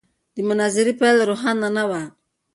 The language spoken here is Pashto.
د مناظرې پایله روښانه نه وه.